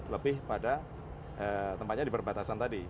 lebih pada tempatnya di perbatasan tadi